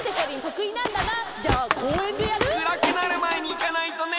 くらくなるまえにいかないとね。